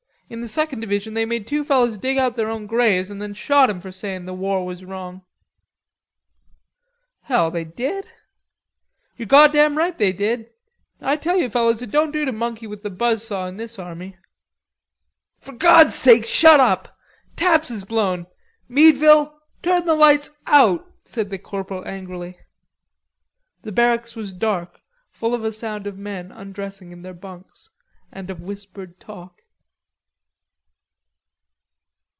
"In the second division they made two fellers dig their own graves and then shot 'em for sayin' the war was wrong." "Hell, they did?" "You're goddam right, they did. I tell you, fellers, it don't do to monkey with the buzz saw in this army." "For God's sake shut up. Taps has blown. Meadville, turn the lights out!" said the corporal angrily. The barracks was dark, full of a sound of men undressing in their bunks, and of whispered talk.